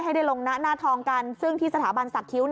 ให้ได้ลงหน้าทองกันซึ่งที่สถาบันสักคิ้ว